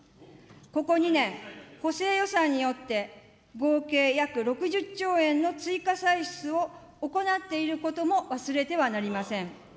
ここ２年、補正予算によって合計約６０兆円の追加歳出を行っていることも忘れてはなりません。